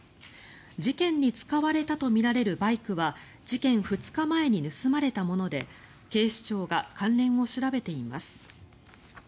事件に使われたとみられるバイクは事件２日前に盗まれたもので警視庁が関連を調べています。